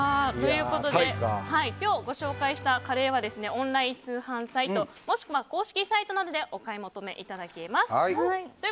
今日、ご紹介したカレーはオンライン通販サイト公式サイトなどでお買い求めいただけます。